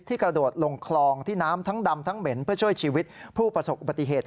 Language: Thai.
กระโดดลงคลองที่น้ำทั้งดำทั้งเหม็นเพื่อช่วยชีวิตผู้ประสบอุบัติเหตุ